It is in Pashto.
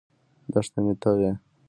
دښته مخې ته وه.